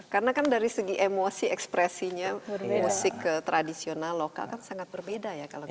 karena kan dari segi emosi ekspresinya musik tradisional lokal kan sangat berbeda ya kalau kita